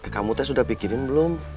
kamu tes sudah pikirin belum